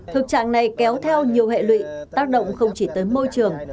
thực trạng này kéo theo nhiều hệ lụy tác động không chỉ tới môi trường